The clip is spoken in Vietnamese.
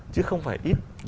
chứ không phải ít